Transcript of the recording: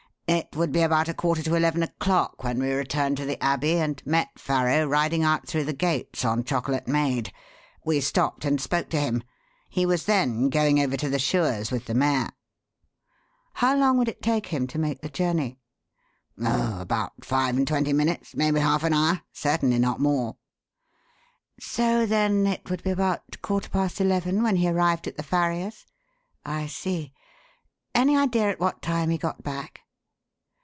It would be about a quarter to eleven o'clock when we returned to the Abbey and met Farrow riding out through the gates on Chocolate Maid. We stopped and spoke to him. He was then going over to the shoer's with the mare." "How long would it take him to make the journey?" "Oh, about five and twenty minutes maybe half an hour: certainly not more." "So then it would be about quarter past eleven when he arrived at the farrier's? I see. Any idea at what time he got back?"